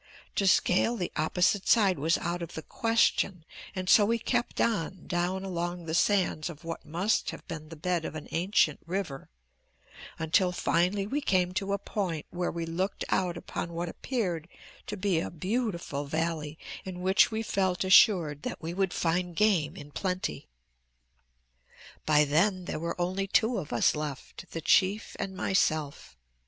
To scale the opposite side was out of the question and so we kept on down along the sands of what must have been the bed of an ancient river, until finally we came to a point where we looked out upon what appeared to be a beautiful valley in which we felt assured that we would find game in plenty. "By then there were only two of us left the chief and myself.